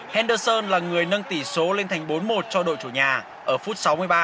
henderson là người nâng tỷ số lên thành bốn một cho đội chủ nhà ở phút sáu mươi ba